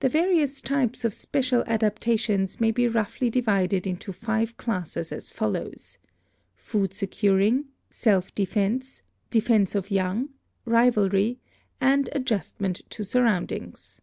The various types of special adaptations may be roughly divided into five classes as follows: Food securing, self defense, defense of young, rivalry and adjustment to sur roundings.